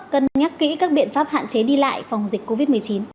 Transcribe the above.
cân nhắc kỹ các biện pháp hạn chế đi lại phòng dịch covid một mươi chín